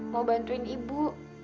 mau bantuin ibu